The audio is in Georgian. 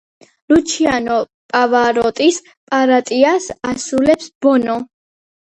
ლუჩიანო პავაროტის პარტიას ასრულებს ბონო.